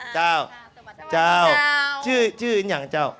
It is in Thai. เจ้าชื่ออย่างเจ้า